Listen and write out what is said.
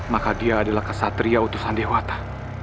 maka dia adalah kesatria utusan dewata